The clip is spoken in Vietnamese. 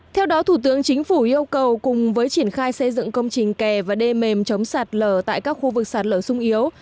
theo đó thủ tướng chính phủ yêu cầu cùng với triển khai xây dựng công trình kè và đê mềm chống sạt lở tại các khu vực sạt lở sung yếu